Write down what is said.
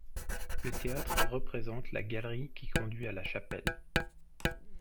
Le théâtre représente la galerie qui conduit à la chapelle.